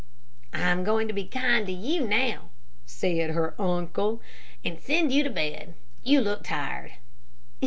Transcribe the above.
"I'm going to be kind to you now," said her uncle, "and send you to bed. You look tired."